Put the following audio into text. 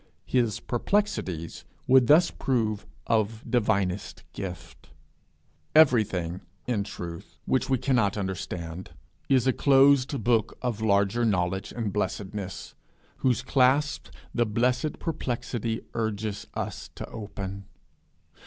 His perplexities would thus prove of divinest gift. Everything, in truth, which we cannot understand, is a closed book of larger knowledge and blessedness, whose clasps the blessed perplexity urges us to open.